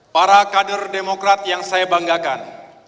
para kader demokrat yang saya banggakan